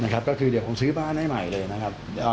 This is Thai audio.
ก็คือเดี๋ยวคงซื้อบ้านให้ใหม่เลยนะครับ